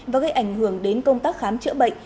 và gây ảnh hưởng đến công tác khám chữa bệnh